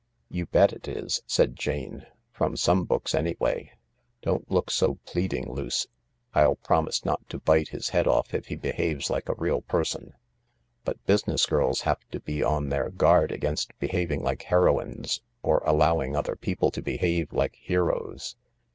" You bet it is," said Jane —" from some books, anyway, Don't look so pleading, Luce — I'll promise fiot to bite his head off if he behaves like a r<eal person. But business girl$ have to be on their guard against behaving like heroines or allowing other people to behave like heroes.